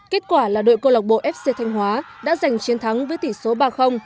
kết quả là đội câu lạc bộ fc thanh hóa đã giành chiến thắng với tỷ số ba